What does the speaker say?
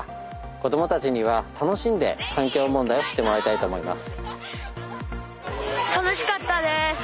子供たちには楽しんで環境問題を知ってもらいたいと思います。